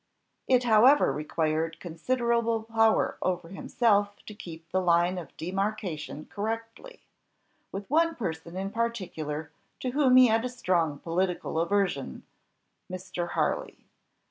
It however required considerable power over himself to keep the line of demarcation correctly, with one person in particular to whom he had a strong political aversion: Mr. Harley.